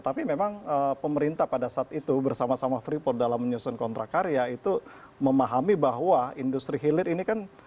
tapi memang pemerintah pada saat itu bersama sama freeport dalam menyusun kontrak karya itu memahami bahwa industri hilir ini kan